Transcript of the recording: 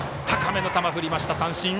高めの球、振りました、三振！